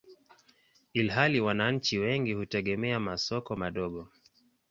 ilhali wananchi wengi hutegemea masoko madogo.